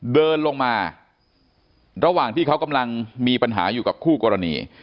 เดินลงมาระหว่างที่เขากำลังมีปัญหาอยู่กับคู่กรณี